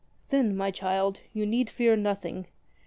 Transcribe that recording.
"Then, my child, you need fear nothing.